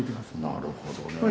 なるほどね。